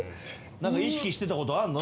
意識してたことあんの？